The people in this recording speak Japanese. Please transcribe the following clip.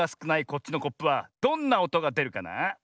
こっちのコップはどんなおとがでるかな？